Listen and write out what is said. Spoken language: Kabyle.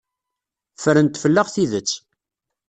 Ffrent fell-aɣ tidet.